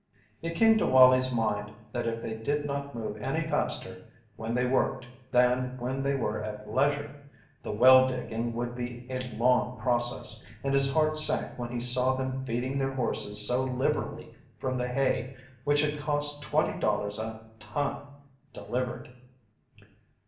It came to Wallie's mind that if they did not move any faster when they worked than when they were at leisure, the well digging would be a long process, and his heart sank when he saw them feeding their horses so liberally from the hay which had cost $20 a ton, delivered.